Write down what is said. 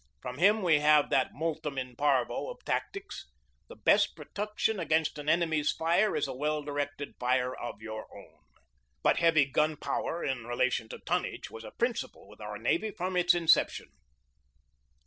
From him we have that multum in parvo of tactics: "The best protection against an enemy's fire is a well directed fire of your own." But heavy gun power in relation to tonnage was a principle with our navy from its inception.